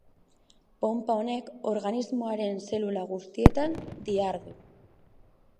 Ponpa honek organismoaren zelula guztietan dihardu.